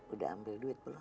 udah ambil duit belum